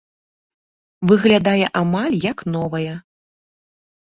Выглядае амаль як новая.